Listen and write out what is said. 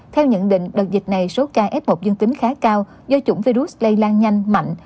theo nhận định đợt dịch này số ca f một dương tính khá cao do chủng virus lây lan nhanh mạnh